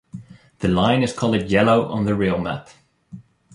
The line is coloured yellow on the rail map.